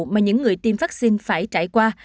mà những người tiêm vaccine phải trải qua